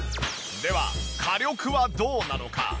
では火力はどうなのか？